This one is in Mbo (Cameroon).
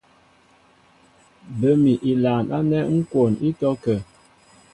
Bə́ mi ilaan ánɛ́ ŋ́ kwoon ítɔ́kə̂.